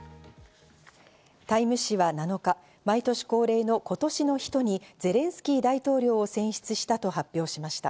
『ＴＩＭＥ』誌は７日、毎年恒例の「今年の人」にゼレンスキー大統領を選出したと発表しました。